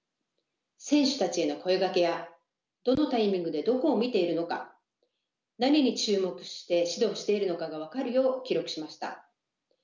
選手たちへの声掛けやどのタイミングでどこを見ているのか何に注目して指導しているのかが分かるよう記録しました。